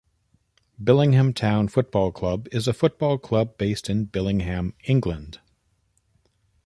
Billingham Town Football Club is a football club based in Billingham, England.